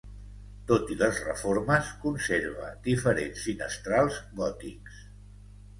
Tot i les reformes, conserva diferents finestrals gòtics.